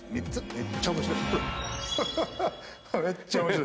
めっちゃ面白い。